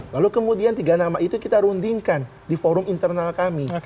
lalu kemudian tiga nama itu kita rundingkan di forum internal kami